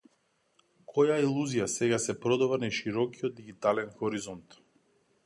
Која илузија сега се продава на широкиот дигитален хоризонт?